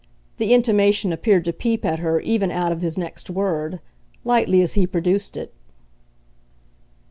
The intimation appeared to peep at her even out of his next word, lightly as he produced it.